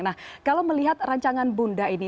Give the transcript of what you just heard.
nah kalau melihat rancangan bunda ini